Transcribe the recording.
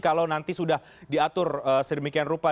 kalau nanti sudah diatur sedemikian rupa